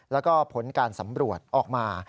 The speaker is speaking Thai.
แล้วก็ผลการสำรวจออกมา